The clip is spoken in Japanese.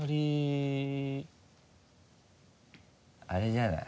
あれじゃない？